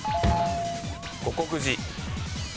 護国寺。